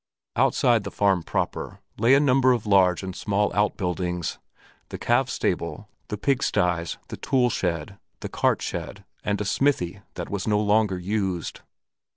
Outside the farm proper lay a number of large and small outbuildings —the calves' stable, the pigsties, the tool shed, the cart shed and a smithy that was no longer used.